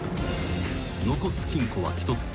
［残す金庫は１つ。